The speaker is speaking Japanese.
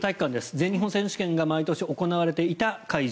全日本選手権が毎年行われていた会場。